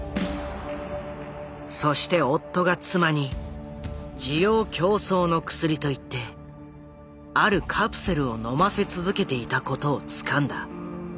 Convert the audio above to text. そして夫が妻に滋養強壮の薬と言ってあるカプセルをのませ続けていたことをつかんだ。